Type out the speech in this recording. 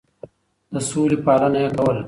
د سولې پالنه يې کوله.